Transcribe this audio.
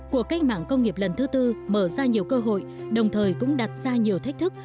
cuộc cách mạng công nghiệp lần thứ tư mở ra nhiều cơ hội đồng thời cũng đặt ra nhiều thách thức